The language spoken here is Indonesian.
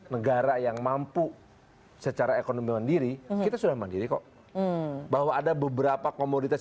negara yang mampu secara ekonomi mandiri kita sudah mandiri kok bahwa ada beberapa komoditas